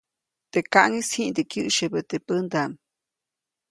Teʼ kaʼŋis jiʼnde kyäʼsyebä teʼ pändaʼm.